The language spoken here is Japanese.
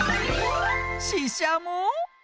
ししゃも？